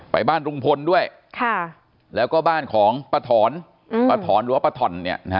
ไปบ้านรุงพลด้วยแล้วก็บ้านของประถรประถรหรือว่าประถ่อน